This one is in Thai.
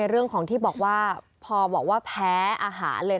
เรื่องของที่บอกว่าพอบอกว่าแพ้อาหารเลย